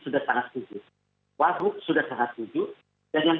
kita juga sudah berjalan jalan